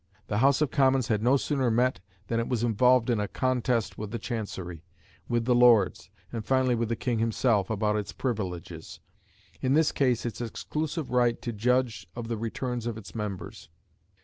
The House of Commons had no sooner met than it was involved in a contest with the Chancery, with the Lords, and finally with the King himself, about its privileges in this case its exclusive right to judge of the returns of its members.